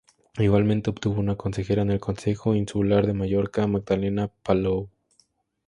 Igualmente obtuvo una consejera en el Consejo Insular de Mallorca: Magdalena Palou.